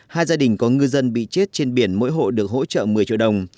hai gia đình có ngư dân bị chết trên biển mỗi hộ được hỗ trợ một mươi triệu đồng